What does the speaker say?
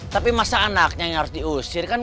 tapi masa anaknya yang harus diusir kan